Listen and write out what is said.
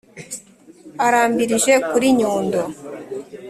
Arambirije kuri Nyundo,